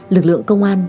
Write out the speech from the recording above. lực lượng công an